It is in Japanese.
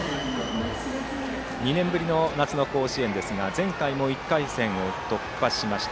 ２年ぶりの夏の甲子園ですが前回も１回戦を突破しました。